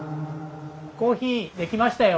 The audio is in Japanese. コーヒー出来ましたよ。